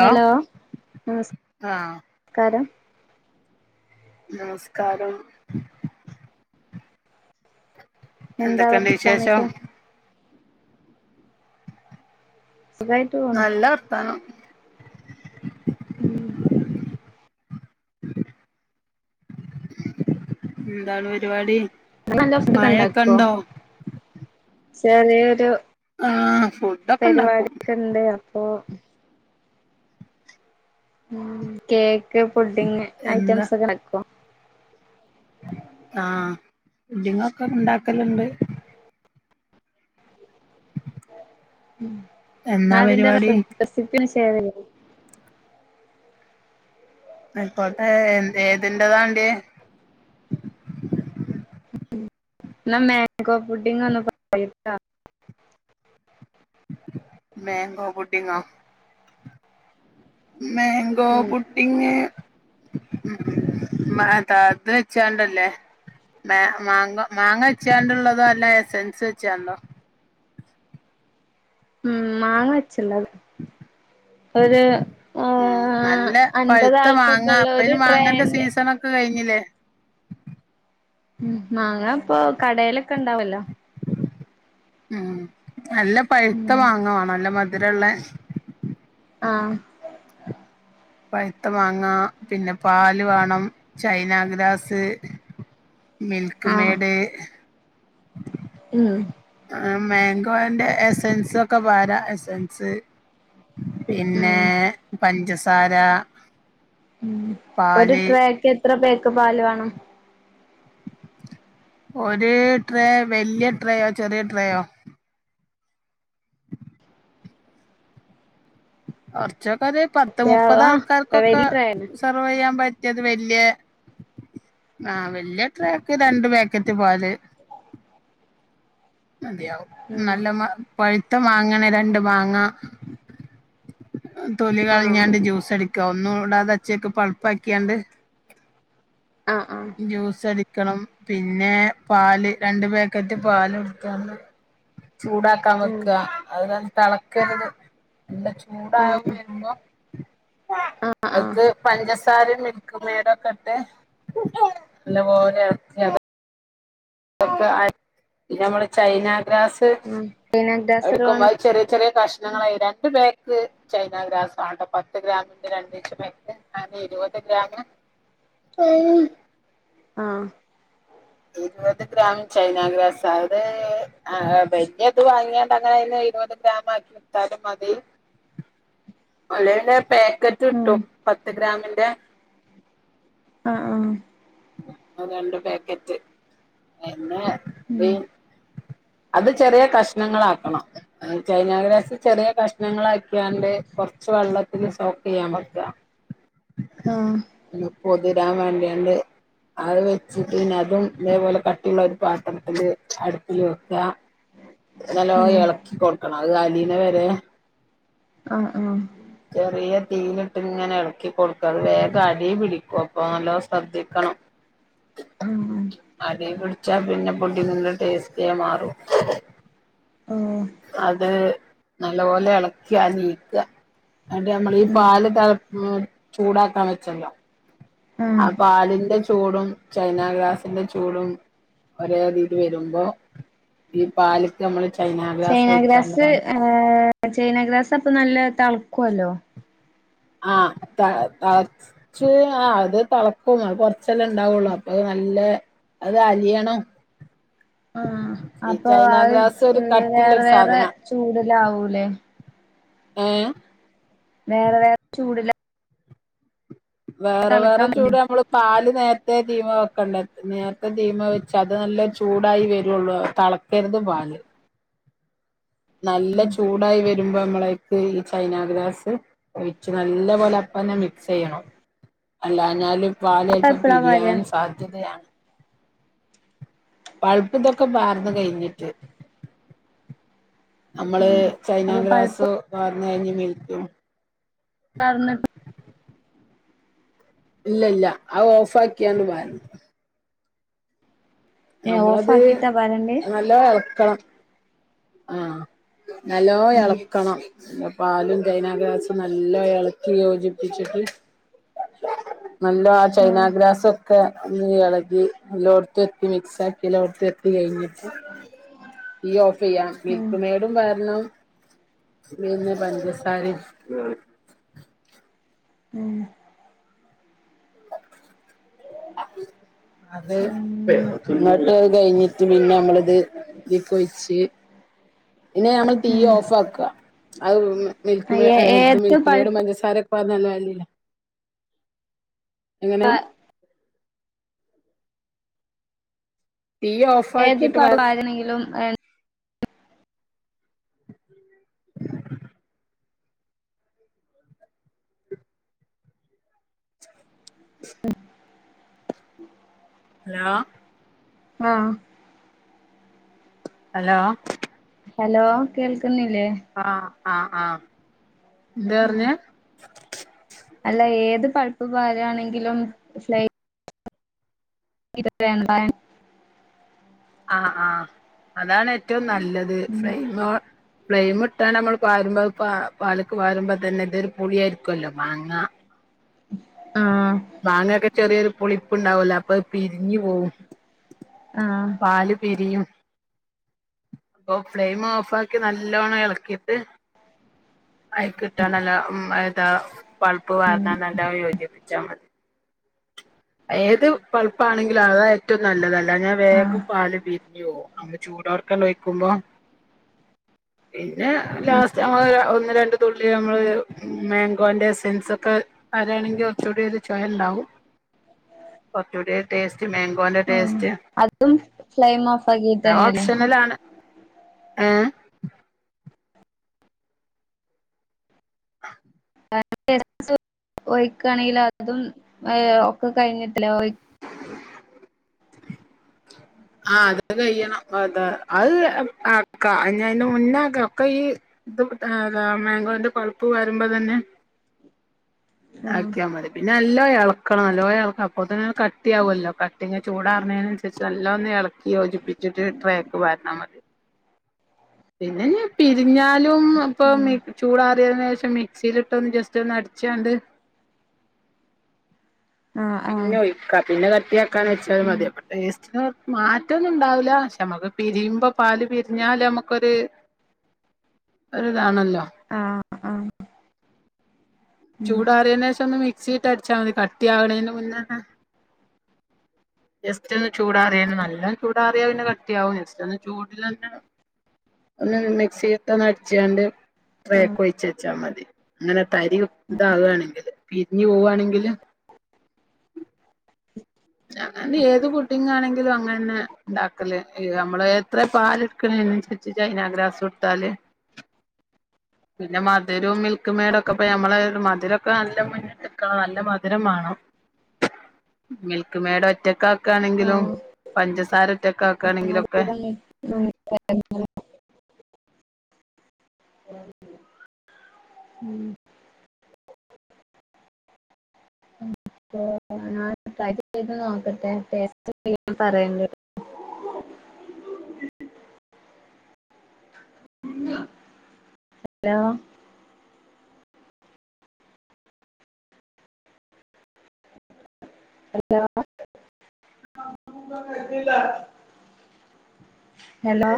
hello [unintelligible] സ് ആഹ് കാരം നമസ്കാരം എന്താ എന്തൊക്കെണ്ട് വിശേഷം വർത്താനൊക്കെ സുഖായിട്ട് പോണു നല്ല വർത്താനം ഉം എന്താണ് പരിപാടി [unintelligible] ഫുഡക്കെ മഴയൊക്കെ ഉണ്ടാക്കുവോ ഉണ്ടോ ചെറിയൊരു ആഹ് ഫുഡൊക്കെ ഉണ്ടാക്കും പരിപാടക്ക ഉണ്ടേ അപ്പൊ ഉ കേക്ക് പുഡിങ് എന്താ ഐറ്റംസ് ഒക്കെ ആക്കും ആഹ് പുഡിങ്ങൊക്കെ ണ്ടാക്കലുണ്ട് എന്നാ ആ അതിന്റെ പരിപാടി റെസി റെസിപ്പി ഷെയർ [unintelligible] ആയിക്കോട്ടെ എ ഏതിന്റെതാണ്ടിയെ എന്നാ മാങ്കോ പുഡിങ്ങൊന്നും പറയു [unintelligible] ട്ടാ മാങ്കോ പുഡിങ്ങൊ മങ്കോ ഉം പുട്ടിങ്ങ് ഉം മാ താ ത- അച്ചാണ്ടല്ലേ മാ മാങ്ങ മാങ്ങ വച്ചാണ്ടുള്ളതോ അല്ല എസൻസ് വച്ചാണ്ടോ ഉം മാങ്ങ വെച്ചിള്ളത് [inaudible] ഉം ആഹ് നല്ല അൻപത് പഴുത്ത ആൾക്കൊക്കെ മാങ്ങ ഉള്ള അപ്പ ഒരു ഇന് മാങ്ങേന്റെ ട്രേന്റെ സീസണൊ- [unintelligible] കഴിഞ്ഞില്ലേ ഉം മാങ്ങ ഇപ്പൊ കടലൊക്കെ ഉണ്ടാവല്ലോ ഉ നല്ല പഴുത്ത ഉം മാങ്ങ വ [unintelligible] നല്ല മധുരൊള്ളേ ആ പഴ്‌ത്ത മാങ്ങ പിന്നെ പാല് വേണം ചൈന ഗ്രാസ് മിൽക്ക് ആഹ് മെയഡ് ഉം ആ മാങ്കോന്റെ എസെൻസ് ഒക്കെ പാര എസൻസ് പിന്നെ ഉം പഞ്ചസാര ഉ ഒരു പാല് ട്രേക്ക് എത്ര പേക്ക് പാല് വേണം ഒരു ട്രേ വലിയ ട്രേയോ ചെറിയ ട്രേയോ കുറച്ചൊക്കെ അത് പത്ത് മുപ്പത് ആ ആൾക്കാർക്കൊക്കെ വലിയ ട്രേയാണ് സെർവ് ചെയ്യാൻ പറ്റിയത് വല്യാ ആ വല്യ ട്രാക്ക് രണ്ട് പാക്കറ്റ് പാല് മതയാവും ഉം നല്ല മാ പഴുത്തം വാങ്ങണേ രണ്ട് മാങ്ങ തൊലി ആ കളിഞ്ഞാണ്ട് ജ്യൂസ്ടക്കാ ഒന്നും കൂടാതെ അച്ചൊക്കെ പളുപ്പക്കിയാണ്ട് ആ ആ ജ്യൂസ് അടിക്കണം പിന്നെ പാല് രണ്ട് പാക്കറ്റ് പാല് ചൂടാക്കാൻ ഉം വെക്കുക അഹ് തിളക്ക എല്ലാ ആ ചൂടാവും എമ്പോ ആ ആ അത് പഞ്ചസാരയും മിൽക്ക് മേഡ ഒക്കെ ഇട്ട് നല്ലപോലെക്ക [unintelligible] പിന്ന നമ്മുടെ ചൈന ഗ്രാസ് ഉം പിന്നെ ഗ്ലാസ് എത്ര എടുക്കുമ്പോ വേണം ചെറിയ ചെറിയ കഷ്ണങ്ങളായി രണ്ട് ബാക്ക് ചൈന ഗ്രാസ് ആഹ് കേട്ടോ പത്ത് ഗ്രാമിന്റെ രണ്ടീച്ച ഞ ഇരുപത് ഗ്രാം [inaudible] ആഹ് ഇരുപത് ഗ്രാം ചൈന ഗ്രാസ് അത് ആഹ് വലിയത് വാങ്ങിയണ്ട് അങ്ങനെ ഇരുപത് ഗ്രാം ആക്കി വിട്ടാലും മതി അല്ലെ പാക്കറ്റ് ഉം കിട്ടും പത്ത് ഗ്രാമിന്റെ ആഹ് ആഹ് രണ്ട് പാക്കറ്റ് എന്നെ ഉം അത് ചെറിയ കഷ്ണങ്ങളാക്കണം ചൈനഗ്രാസി ചെറിയ കഷ്ണങ്ങൾാക്കിയാണ്ട് കൊറച്ച് വെള്ളത്തിന് സോക്ക് ചെയ്യാൻ വക്ക [inaudible] ആഹ് അഹ് പൊതിരാൻ വേണ്ടിയണ്ട് അത് വെച്ചിട്ട് പിന്നെ അതും ഇതേപോലെ കട്ടിയുള്ള ഒരു പാത്രത്തില് അടുപ്പില് വെക്ക നല്ലോ ഇളക്കി കൊടുക്കണം അത് അലീനെ വരെ ആഹ് ആഹ് ചെറിയ തീൻ ഇട്ട് ഇങ്ങനെ ഇളക്കി കൊടുക്ക അത് വേഗം അടി പിടിക്കും അപ്പൊ നല്ലോ ശ്രദ്ധിക്കണം [inaudible] ഓ ഉം അടി പിടിച്ചാ പിന്നെ പുഡിങ്ങിന്റെ ടേസ്റ്റേ മാറും ഉം അത് നല്ലപോലെ ഇളക്കുക നീക്കുക അഹ് നമ്മള ഈ പാല് ത ചൂടാക്കാൻ വെച്ചല്ലോ ആ ആഹ് പാലിന്റെ ചൂടും ചൈന ഗ്രാസിന്റെ ചൂടും ഒരേരയില് വരുമ്പോ ഈ പാലക്ക് നമ്മള് ചൈന ഗ്രാസ് ഒയിക്കാന്ള്ളതാണ് ഏ ചൈന ഗ്രാസ് അപ്പൊ നല്ല തിളക്കുവല്ലോ ആഹ് തിള [unintelligible] ആഹ് അത് തിളക്കും കുറച്ചല്ലാം ഉണ്ടാവുള്ളു അപ്പൊ അതു നല്ല അത് അലിയണം ആഹ് ഈ അപ്പൊ ചൈനാ അത് ഗ്രാസ് ഒരു കട്ടിള്ള വേറെ ഒരു വേറെ സാധന ചൂടില് ആവൂല്ലേ ഏ വേറെ വേറെ ചൂടിലെ വേറെ വേറെ തളിക്കാൻ പറ്റും ചൂട് നമ്മള് പാല് നേരത്തെ ധീമ വെക്കണ്ട നേരത്തെ ധീമ വെച്ച് അത് നല്ല ചൂടായി വരുള്ളൂ [unintelligible] പാല് നല്ല ചൂടായി വരുമ്പോ നമ്മളക്ക് ഈ ചൈനാ ഗ്രാസ് ഒഴിച്ച് നല്ല പോലെ അപ്പന്നെ മിക്സ് ചെയ്യണം അല്ലഞ്ഞാലും പാല് ചില്ലപ്പം എപ്പളാ വരാ പിരിയാൻ സാധ്യതയാണ് പൾപ്പ് ഇതൊക്കെ പാർന്നു കഴിഞ്ഞിട്ട് നമ്മള് ഉം ചൈന അപ്പൊ പഴുപ്പ് ഗ്രാസ് പാർന്ന് കഴിഞ്ഞ് മില്ക്ക് [unintelligible] ഇല്ല ഇല്ല അവ ഓഫ് ആക്കിയാണ് വയുന്നത് ഏഹ് ഓഫ് നമ്മളത് ആക്കിട്ടാ വരണ്ടേ നല്ലോ എളക്കണം ആഹ് നല്ലോം ഉം എളക്കണം പാലും ചൈനാഗ്രസും നല്ലോം എളക്കി യോജിപ്പിച്ചിട്ട് നല്ലോം ആ ആഹ് ചൈനാഗ്രാസൊ ഒക്കെ ഒന്ന് എളക്കി എല്ലോട്ത്തെത്തി മിക്സാക്കി എല്ലോട്ത്തു എത്തി കഴിഞ്ഞിട്ട് തീയ് ഓഫെയ്യാം ഉം മിൽക്ക് മേ ഡും പാരണം പിന്നെ പഞ്ചസാരിം മ്മ് അത് അങ്ങനെ എന്നോട്ട് കഴിഞ്ഞിട്ട് പിന്നെ നമ്മളിത് ഇതിക്കൊഴിച്ച് പിന്നെ നമ്മള് തീയ്യ് ഓഫാക്ക അത് മിൽക്ക് മേ ഏ ഇത് ഏത് മിൽക്ക് മേഡും പഴുപ്പ് പഞ്ചസാരൊക്കെ പാർന്ന് നല്ലോ അലീലാ എങ്ങനെ തീയ്യ് ഓഫ് ഏത് ആക്കിട്ട് വ [unintelligible] പാരണെങ്കിലും എൻ ഹലോ ആഹ് ഹലോ ഹലോ കേൾക്ക്ന്നില്ലേ പറാ ആഹ് ആഹ് എന്താറ്ഞ്ഞേ അല്ല ഏത് പഴ്പ്പ് പാരാണെങ്കിലും ഫ്ലയ് ഇതൊക്കെ വേണ്ടേ ആഹ് ആഹ് അതാണ് ഏറ്റവും നല്ലത് ഫ്ലയ്മ് ഫ്ലയിമ് ഇട്ടാണ്ട് നമ്മള് പാരുമ്പോ അത് പാ പാല്ക്ക് പാരുമ്പോ തന്നെ ഇതോരു പുളിയായിരിക്കുല്ലോ മാങ്ങ ആഹ് മാങ്ങൊക്കെ ചെറ്യേരു പുളിപ്പ്ണ്ടാവല്ലോ അപ്പത് പിരിഞ്ഞ് പോവും ആഹ് പാല് പിരിയും അപ്പൊ ഫ്ലെയിം ഓഫാക്കി നല്ലോണ്ണം എളക്കീട്ട് അയ്ക്ക്ട്ടാണ്ട് നല്ലോ മ്മ് അയ്ത്താ പള്പ്പ് പാർന്നാണ്ട് നല്ലോം യോജിപ്പിച്ചാ മതി ഏത് പള്പ്പാണെങ്കിലും അതാ ഏറ്റവും നല്ലത് അല്ലാഞ്ഞ ആഹ് വേഗം പാല് പിരിഞ്ഞോവും ചൂടോട്ക്കാണ്ട് ഒയിക്കുമ്പോ പിന്നെ ലാസ്റ്റ് നമ്മള് ഒന്ന് രണ്ട് തുള്ളി നമ്മള് മേഗോന്റെ എസെൻസൊക്കെ പാരാണെങ്കി കൊറച്ചൂടി ഒര് ച്ചോയണ്ടാവും കൊറച്ചൂട്യോരു ടേസ്റ്റ് മേഗോന്റെ ആഹ് ടേസ്റ്റ് അതും ഫ്ലൈയിം ഓഫാക്കീട്ടെന്നല്ലേ അല്ല ആണ് ഏഹ് [unintelligible] എസെൻസും ഒഴിക്കാണെല് അതും ഏ ഒക്കെ കഴിഞ്ഞിട്ടല്ലേ ഒഴി അ ആഹ് അതത് കയ്യണം അതാ അത് ആക്കാ ഇഞ്ഞയ്ന്റെ മുന്നാക്ക ഒക്കെ ഇയ്യ് [unintelligible] മേഗോന്റെ പള്പ്പ് പാരുമ്പോത്തന്നെ ആഹ് ആക്ക്യാ മതി പിന്നെ നല്ലോ എളക്കണം നല്ലോ എളക്ക അപ്പൊത്തിനെന്നെ കട്ടിയാവല്ലോ കട്ടി ചൂടാറ്ണേന് അന്സരിച്ച് നല്ലോ ഒന്ന് എളക്കി യോജിപ്പിച്ചിട്ട് ട്രെക്ക് പാർന്നാ മതി പിന്നെഞ്ഞ് പിരിഞ്ഞാലും അപ്പൊ ആഹ് മി ചൂടാറിയതിനേഷം മിക്സില്ട്ടൊന്ന് ജസ്റ്റോന്ന് അടിച്ചാണ്ട് ആഹ് ആഹ് പിന്നെ ഒഴിക്ക പിന്നെ കട്ടിയാക്കാന് വെച്ചാല് ഉം മതിപ്പ ടെസ്റ്റ്ന് മാറ്റൊന്നുണ്ടാവൂല പക്ഷെ നമ്മക്ക് പിരിയുമ്പോ പാല് പിരിഞ്ഞാല് നമ്മ ക്കൊര് ഒര് ഇതാണല്ലോ ആഹ് ആഹ് ഉം ചൂടാറിയന് ശേഷം ഒന്ന് മിക്സിട്ട് അടച്ചാൽ മതി കട്ടി ആകണേന് മുന്നന്നെ ജസ്റ്റ് ഒന്ന് ചൂടാറിയെ നല്ല ചൂടാറിയാ പിന്നെ കട്ടിയാവും ജസ്റ്റ് ഒന്ന് ചൂടില്ല തന്നെ ഒന്ന് മിക്സി ഇട്ട് ഒന്ന് അടിച്ചുങ്ങാണ്ട് ആഹ് ട്രേക്ക് ഒഴിച്ചു വെച്ചാ മതി അങ്ങനെ തരി ഇതകുകയാണെങ്കില് പിരിഞ്ഞു പോവുവാണെങ്കില് ഞങ്ങ ഏത് കുട്ടിങ്ങാണെങ്കിലും അങ്ങന്നെ ഉണ്ടാക്കല് നമ്മള് എത്ര പാലെടുക്കലു ജൈനാഗ്രാസുട്ടാല് പിന്നെ മധുരവും മിൽക്ക് മെയ്ഡ് ഒക്കെ പോ നമ്മളെ മധുരൊക്കെ നല്ല മുന്നി ക്കാണേ നല്ല മധുരം വേണം ഉം ക്കുമേട് ഒറ്റക്കാക്കുകയാണെങ്കിലും ആഹ് പഞ്ചസാര ഒറ്റക്കക്കുകയാണെങ്കിലൊ ക്കെ ആ [unintelligible] ഉം ആ ഞൻ ട്രൈ ചെയ്ത് നോക്കട്ടെ ടേസ്‌റ്റ് ഉണ്ടെങ്കി ഞാൻ പറയണ്ട് ഹലോ ഹലോ ഹലോ